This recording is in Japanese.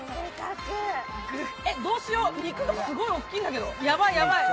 どうしよう、肉がすごい大きいんですけど。